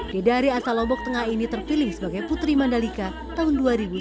kedari asal lombok tengah ini terpilih sebagai putri mandalika tahun dua ribu sembilan